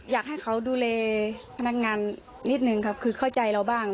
อยากให้เขาดูแลพนักงานนิดนึงครับคือเข้าใจเราบ้าง